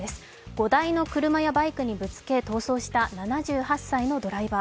５台の車やバイクにぶつけ逃走した７８歳のドライバー。